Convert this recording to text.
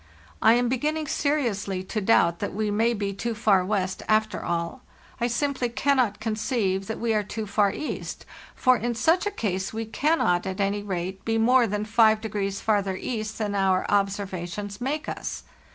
I am beginning seriously to doubt that we may be too far west, after all. I simply can not conceive that we are too far east; for in such a case we cannot, at any rate, be more than 5° farther east than our observations* make us.